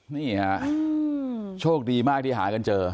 นี่ฮะโชคดีมากที่หากันเจอ